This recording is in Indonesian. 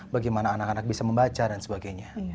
bagaimana anak anak bisa membaca dan sebagainya